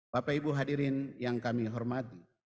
bapak ibu hadirin yang kami hormati